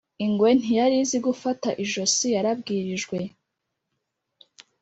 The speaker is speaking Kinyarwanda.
Ingwe ntiyari izi gufata ijosi yarabwirijwe.